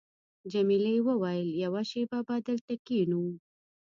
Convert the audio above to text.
جميلې وويل:، یوه شېبه به دلته کښېنو.